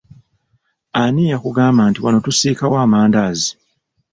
Ani yakugamba nti wano tusiikawo amandaazi?